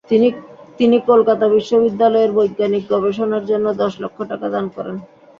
তিনি কলকাতা বিশ্ববিদ্যালয়ের বৈজ্ঞানিক গবেষণার জন্য দশ লক্ষ টাকা দান করেন।